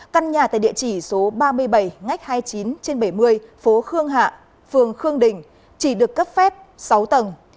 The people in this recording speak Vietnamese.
căn nhà tại địa chỉ số ba mươi bảy ngách hai mươi chín trên bảy mươi phố khương hạ phường khương đình chỉ được cấp phép sáu tầng